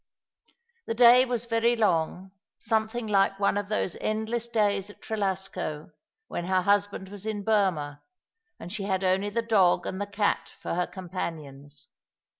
The day was very long, something like one of those endless days at Trelasco, when her husband was in Burmah and she had only the dog and the cat for her companions.